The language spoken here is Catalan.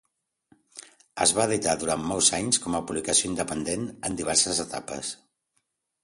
Es va editar durant molts anys com a publicació independent, en diverses etapes.